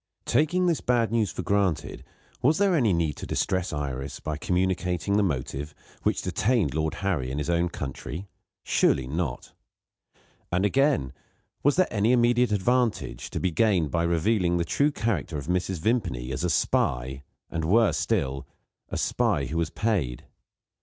Taking this bad news for granted, was there any need to distress Iris by communicating the motive which detained Lord Harry in his own country? Surely not! And, again, was there any immediate advantage to be gained by revealing the true character of Mrs. Vimpany, as a spy, and, worse still, a spy who was paid?